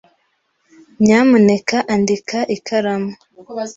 Nyamuneka andika ikaramu.